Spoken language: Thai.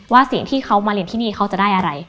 สิ่งที่เขามาเรียนที่นี่เขาจะได้อะไร